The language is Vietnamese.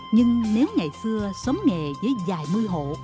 nhưng nếu ngày xưa xóm nghề với vài mươi hộ